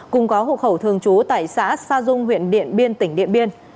cùng có hộ khẩu thường trú tại xã sa dung huyện điện biên tỉnh điện biên